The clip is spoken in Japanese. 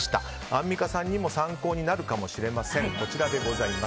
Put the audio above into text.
アンミカさんにも参考になるかもしれません。